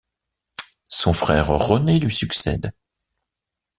Son frère René lui succède.